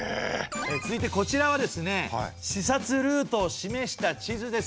続いてこちらはですね視察ルートを示した地図です。